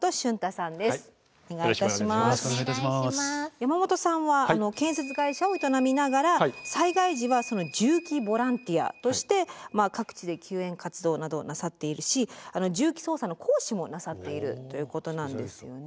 山本さんは建設会社を営みながら災害時はその重機ボランティアとして各地で救援活動などをなさっているし重機操作の講師もなさっているということなんですよね。